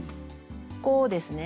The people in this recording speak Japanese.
こうですね。